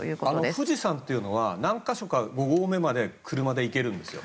富士山は何か所か５合目まで車で行けるんです。